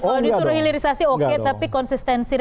kalau disuruh hilirisasi oke tapi konsistensi